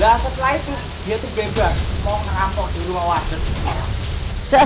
lasa selain itu dia tuh bebas mau merampok di rumah wadah sekarang